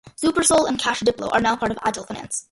Supersol and Cash Diplo are now part of Agile Finance.